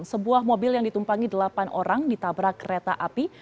sebuah mobil yang ditumpangi delapan orang ditabrak kereta api